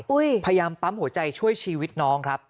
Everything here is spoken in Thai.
พยายามปั๊มหัวใจช่วยชีวิตน้องครับ